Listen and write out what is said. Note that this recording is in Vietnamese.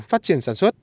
phát triển sản xuất